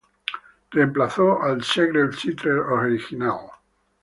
Reemplazó al Ziegfeld Theatre original.